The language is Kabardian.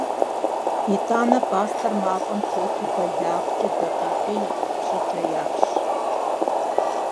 Итӏанэ пӏастэр мафӏэм тету бэлагъкӏэ дакъикъий - пщӏыкӏэ япщ.